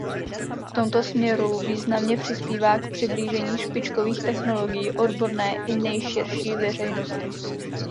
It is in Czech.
V tomto směru významně přispívá k přiblížení špičkových technologií odborné i nejširší veřejnosti.